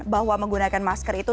bahwa menggunakan masker itu